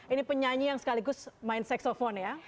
ini penyanyi yang sekaligus main seksofon ya